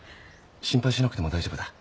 心配しなくても大丈夫だ。